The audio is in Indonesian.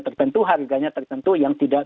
tertentu harganya tertentu yang tidak